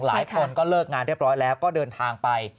หลายคนก็เลิกงานเรียบร้อยแล้วก็เดินทางไป